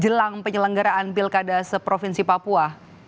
jelang penyelenggaraan pilkada se provinsi papua